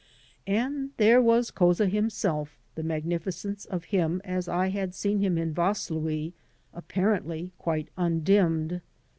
And there was Couza himself, the magnificence of him as I had seen him in Vaslui apparently quite undimmed.